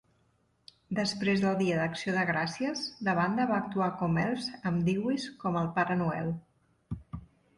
Després del Dia d'Acció de Gràcies, la banda va actuar com elfs amb Dewees com el Pare Noel.